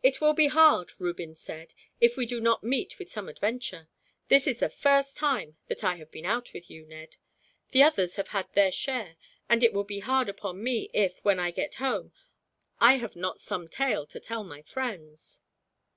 "It will be hard," Reuben said, "if we do not meet with some adventure. This is the first time that I have been out with you, Ned. The others have had their share, and it will be hard upon me if, when I get home, I have not some tale to tell my friends."